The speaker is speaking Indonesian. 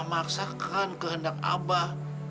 memaksakan kehendak abah